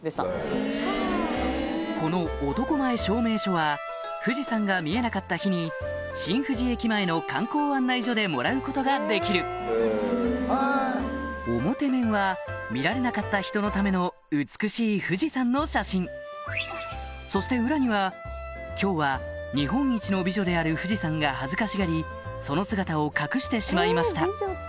この男前証明書は富士山が見えなかった日に新富士駅前の観光案内所でもらうことができる表面は見られなかった人のための美しい富士山の写真そして裏には「今日は、日本一の美女である富士山が恥ずかしがり、その姿を隠してしまいました。